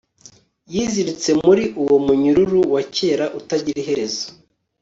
Yiziritse muri uwo munyururu wa kera utagira iherezo